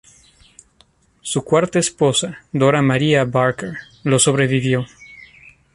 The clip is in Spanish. Su cuarta esposa, Dora María Barker, lo sobrevivió.